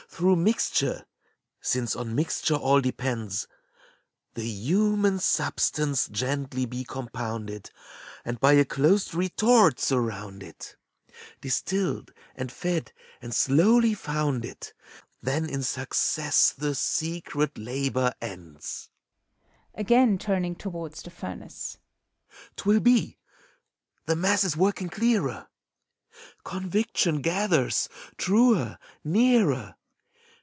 Through mixture — since on mixture all depends — The human substance gently be compounded. And by a closed retort surrounded. Distilled, and fed, and slowly founded, Then in success the secret labor ends. (Again turning towards the furnace,) 'T will be! the mass is working clearer! Conviction gathers, truer, nearer!